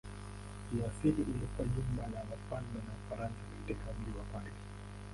Kiasili ilikuwa jumba la wafalme wa Ufaransa katika mji wa Paris.